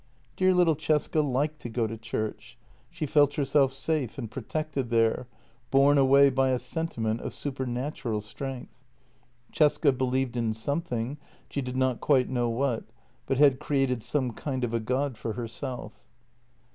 Dear little Cesca liked to go to church; she felt herself safe and pro tected there, borne away by a sentiment of supernatural strength. Cesca believed in something — she did not quite know what, but had created some kind of a God for herself.